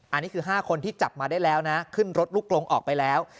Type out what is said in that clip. อันนี้คือ๕คนที่จับมาได้แล้วนะขึ้นรถลุกลงออกไปแล้ว